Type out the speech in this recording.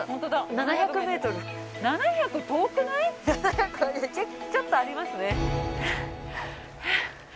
７００はちょっとありますね。